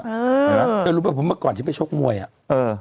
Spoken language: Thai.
เออแล้วรู้ป่ะผมเมื่อก่อนที่ไปชกมวยอ่ะเออ